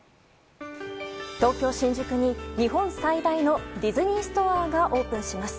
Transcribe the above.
東京・新宿に日本最大のディズニーストアがオープンします。